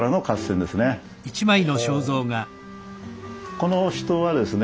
この人はですね